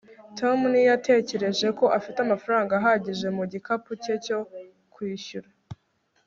tom ntiyatekereje ko afite amafaranga ahagije mu gikapu cye cyo kwishyura